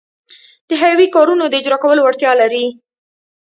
د حیوي کارونو د اجراکولو وړتیا لري.